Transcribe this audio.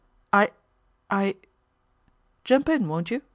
" I I "" Jump in, won't you